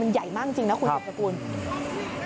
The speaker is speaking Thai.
มันใหญ่มากจริงนะครับคุณศักดิ์ประกูล